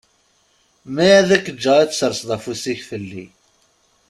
Ma ad ak-ǧǧeɣ ad tesserseḍ afus-ik fell-i.